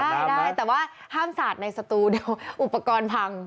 ได้ได้แต่ว่าห้ามสาดในสตูเดี๋ยวอุปกรณ์พัง